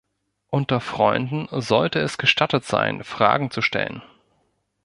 Unter Freunden sollte es gestattet sein, Fragen zu stellen.